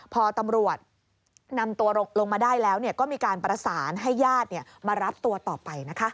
พอตำรวจนำตัวลงมาได้แล้วก็มีการประสานให้ญาติมารับตัวต่อไปนะคะ